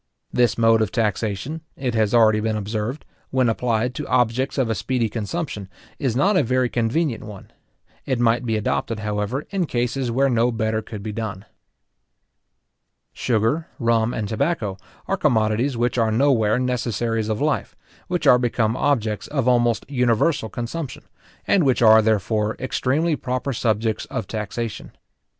This mode of taxation, it has already been observed, when applied to objects of a speedy consumption, is not a very convenient one. It might be adopted, however, in cases where no better could be done. Sugar, rum, and tobacco, are commodities which are nowhere necessaries of life, which are become objects of almost universal consumption, and which are, therefore, extremely proper subjects of taxation.